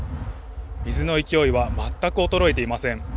水の勢いは全く衰えていません。